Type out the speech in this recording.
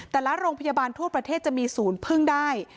แต่ละโรงพยาบาลทั่วประเทศจะมีศูนย์พึ่งได้